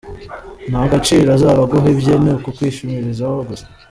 Nta gaciro azaba aguha, ibye ni ukukwishimishirizaho gusa.